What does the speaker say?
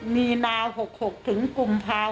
นีนา๖๖ถึงกุมภาว๖๙